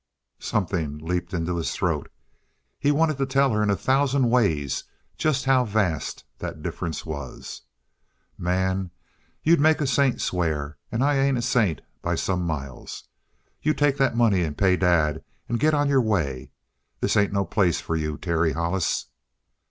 Something leaped into his throat. He wanted to tell her in a thousand ways just how vast that difference was. "Man, you'd make a saint swear, and I ain't a saint by some miles. You take that money and pay Dad, and get on your way. This ain't no place for you, Terry Hollis."